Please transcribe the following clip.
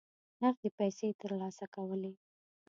نغدي پیسې ترلاسه کولې.